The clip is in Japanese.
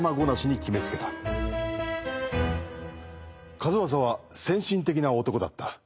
数正は先進的な男だった。